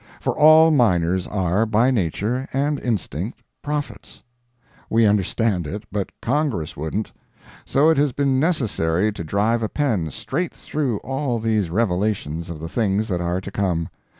For all miners are, by nature and instinct, prophets. We understand it, but Congress wouldn't. So it has been necessary to drive a pen straight through all these revelations of the things that are to come.